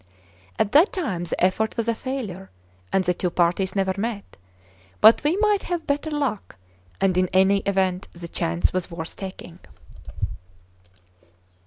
At that time the effort was a failure, and the two parties never met; but we might have better luck, and in any event the chance was worth taking.